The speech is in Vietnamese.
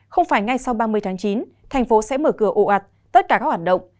không phải ngay sau ba mươi tháng chín thành phố sẽ mở cửa ồ ạt tất cả các hoạt động